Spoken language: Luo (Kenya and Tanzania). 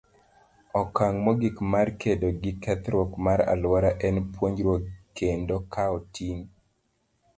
Okang' mogik mar kedo gi kethruok mar alwora en puonjruok kendo kawo ting'.